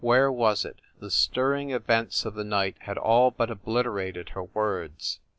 Where was it? The stirring events of the night had all but obliterated her words.